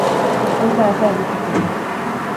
Hizkuntza ez da edukitzekoa.